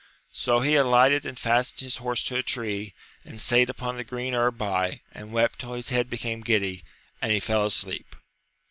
So he alighted, and fastened his horse to a tree, and sate upon the green herb by, and wept till his head became giddy^ and he fell asleep.